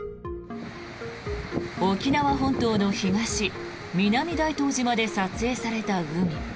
沖縄本島の東、南大東島で撮影された海。